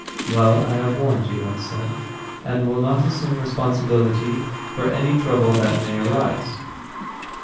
"Well, I have warned you," I said, "and will not assume responsibility for any trouble that may arise."